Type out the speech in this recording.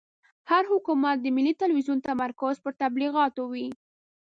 هر حکومت د ملي تلویزون تمرکز پر تبلیغاتو وي.